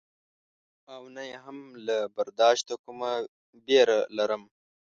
او نه یې هم له برداشته کومه وېره لرم.